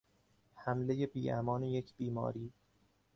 حملهی بیامان یک بیماری